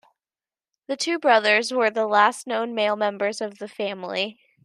The two brothers were the last known male members of the family.